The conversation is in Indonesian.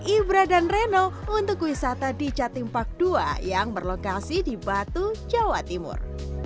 ibra dan reno untuk wisata di jatimpak dua yang berlokasi di batu jawa timur